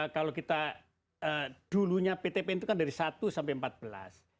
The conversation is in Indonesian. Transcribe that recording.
kalau kita dulunya pt pn itu kan dari satu sampai empat belas